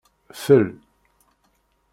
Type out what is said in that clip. Fel